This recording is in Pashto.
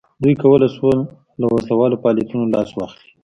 دوی کولای شوای له وسله والو فعالیتونو لاس واخلي.